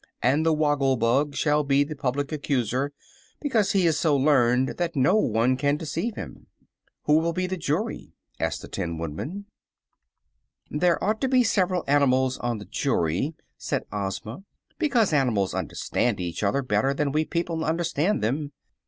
And the Woggle Bug shall be the Public Accuser, because he is so learned that no one can deceive him." "Who will be the jury?" asked the Tin Woodman. [Illustration: PORTRAIT OF THE WIZARD OF OZ.] "There ought to be several animals on the jury," said Ozma, "because animals understand each other better than we people understand them.